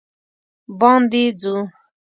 باندې ځو